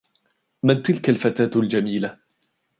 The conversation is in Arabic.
من تلك الفتاة الجميلة ؟